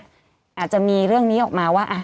อาจจะมีเรื่องนี้ออกมาว่า